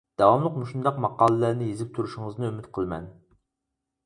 داۋاملىق مۇشۇنداق ماقالىلەرنى يېزىپ تۇرۇشىڭىزنى ئۈمىد قىلىمەن.